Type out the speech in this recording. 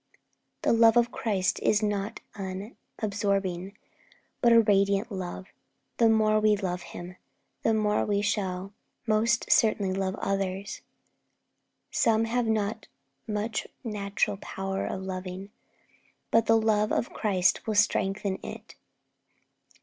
The love of Christ is not an absorbing, but a radiating love. The more we love Him, the more we shall most certainly love others. Some have not much natural power of loving, but the love of Christ will strengthen it.